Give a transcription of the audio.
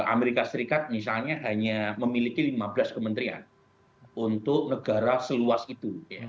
amerika serikat misalnya hanya memiliki lima belas kementerian untuk negara seluas itu